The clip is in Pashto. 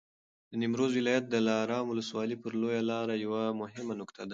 د نیمروز ولایت دلارام ولسوالي پر لویه لاره یوه مهمه نقطه ده.